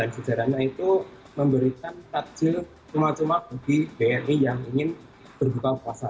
jajarannya itu memberikan takjil cuma cuma bagi bri yang ingin berbuka puasa